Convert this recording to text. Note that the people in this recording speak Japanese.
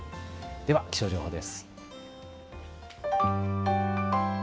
では気象情報です。